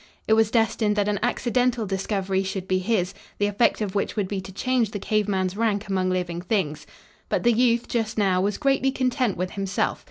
It was destined that an accidental discovery should be his, the effect of which would be to change the cave man's rank among living things. But the youth, just now, was greatly content with himself.